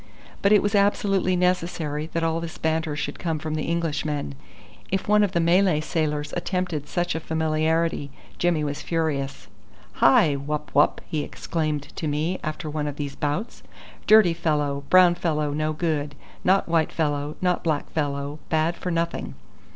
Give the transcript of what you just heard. But it was absolutely necessary that all this banter should come from the Englishmen. If one of the Malay sailors attempted such a familiarity, Jimmy was furious. "Hi wup wup!" he exclaimed to me after one of these bouts; "dirty fellow, brown fellow no good. Not white fellow, not black fellow. Bad for nothing."